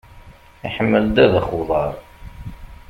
Iḥemmel ddabex uḍar.